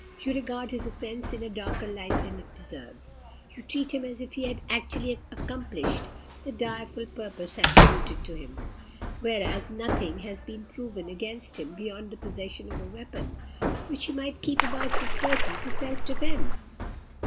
you regard his offence in a darker light than it deserves. You treat him as if he had actually accomplished the direful purpose attributed to him; whereas, nothing has been proven against him beyond the possession of a weapon, which he might keep about his person for self defence."